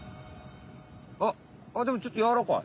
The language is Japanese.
あっでもちょっとやわらかい。